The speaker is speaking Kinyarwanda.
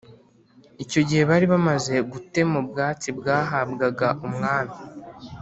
Icyo gihe bari bamaze gutema ubwatsi bwahabwaga umwami